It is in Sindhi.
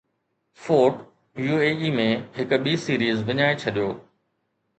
فورٽ يو اي اي ۾ هڪ ٻي سيريز وڃائي ڇڏيو